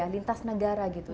lintas negara gitu